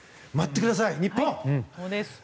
待ってください日本！